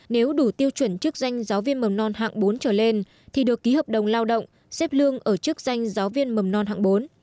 nếu đủ tiêu chuẩn chức danh giáo viên mầm non hạng bốn trở lên thì được ký hợp đồng lao động xếp lương ở chức danh giáo viên mầm non hạng bốn